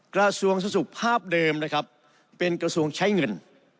กระทรวงสุขภาพเดิมนะครับเป็นกระทรวงใช้เงิน